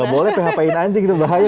gak boleh php in anjing itu bahaya